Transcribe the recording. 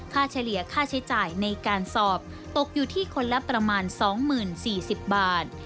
เฉลี่ยค่าใช้จ่ายในการสอบตกอยู่ที่คนละประมาณ๒๐๔๐บาท